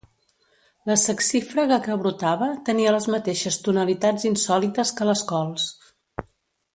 La saxífraga que brotava tenia les mateixes tonalitats insòlites que les cols.